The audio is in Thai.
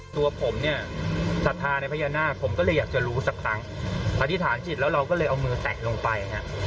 ตัวผมเนี่ยศรัทธาในพญานาคผมก็เลยอยากจะรู้สักครั้งอธิษฐานจิตแล้วเราก็เลยเอามือแตะลงไปฮะ